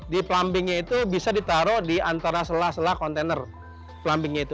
di plumbingnya itu bisa ditaruh di antara sela sela kontainer